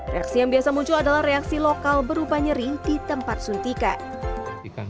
reaksi yang biasa muncul adalah reaksi lokal berupa nyeri di tempat suntikan